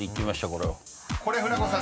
［これ船越さん